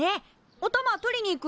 おたま取りに行く？